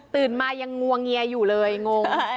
ตื่นมายังงวเงียอยู่เลยงง